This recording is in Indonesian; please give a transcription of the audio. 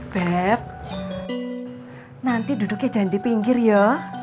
belep nanti duduknya jangan di pinggir ya